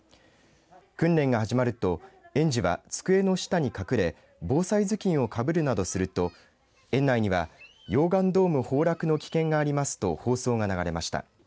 訓練が始まると園児は机の下に隠れ防災頭巾をかぶるなどすると園内には、溶岩ドーム崩落の危険がありますと放送が流れました。